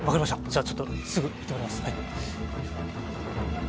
じゃあちょっとすぐ行ってまいりますはい。